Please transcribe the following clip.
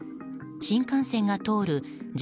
新幹線が通る